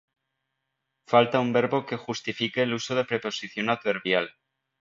falta un verbo que justifique el uso de preposición adverbial